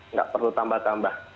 nggak perlu tambah tambah